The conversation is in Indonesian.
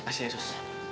makasih ya sos